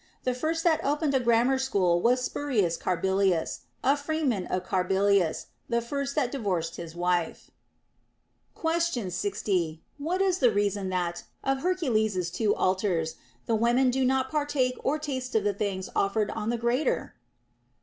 The first that opened a grammar school was Spurius Carbi lius, a freeman of Carbilius, the first that divorced his wife. THE ROMAN QUESTIONS. 237 Question 60. What is the reason that, of Hercules's two altars, the women do not partake or taste of the things offered on the greater